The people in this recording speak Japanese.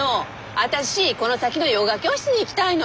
私この先のヨガ教室に行きたいのよ。